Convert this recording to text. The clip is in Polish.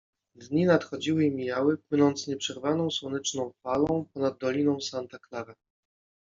Dni nadchodziły i mijały, płynąc nieprzerwaną słoneczną falą ponad doliną Santa Clara.